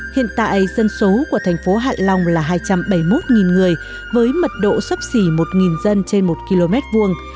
hiện tại dân số của thành phố hạ long là hai trăm bảy mươi một người với mật độ sấp xỉ một dân trên một km vuông